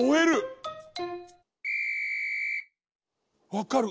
わかる！